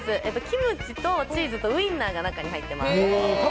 キムチとチーズとウィンナーが中に入ってます。